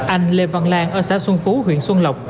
anh lê văn lan ở xã xuân phú huyện xuân lộc